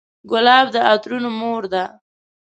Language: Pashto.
ګلاب د عطرونو مور ده.